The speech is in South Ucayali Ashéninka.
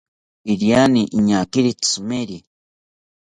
Iriani iñakiri tzimeri